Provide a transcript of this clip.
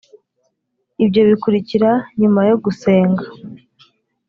ibyo bikurikira nyuma yo gusenga.